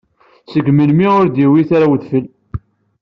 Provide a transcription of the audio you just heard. Seg melmi ur d-iwit ara udfel?